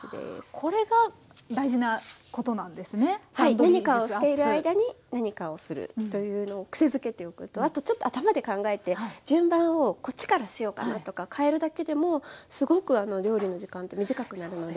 何かをしている間に何かをするというのを癖づけておくとあとちょっと頭で考えて順番をこっちからしようかなとかかえるだけでもすごく料理の時間って短くなるので。